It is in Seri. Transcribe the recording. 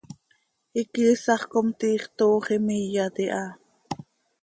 Iquiisax com, tiix toox imiyat iha.